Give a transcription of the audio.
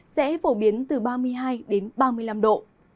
sẽ phổ biến từ ba mươi hai đến ba mươi năm độ